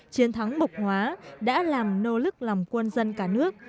chiến thắng mộc hóa đã làm nô lức lòng quân dân cả nước